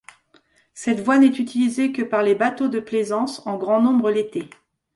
Cette voie n’est utilisée que par les bateaux de plaisance, en grand nombre l’été.